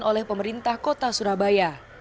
oleh pemerintah kota surabaya